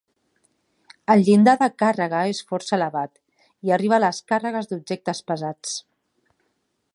El llindar de càrrega és força elevat, i arriba a les càrregues d'objectes pesats.